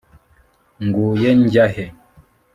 nguye njya he?